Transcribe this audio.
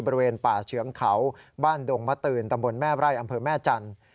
บริเวณป่าเฉืองเขาบ้านดงมะตืนตำบลแม่ไร่อำเภอแม่จันทร์